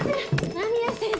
間宮先生！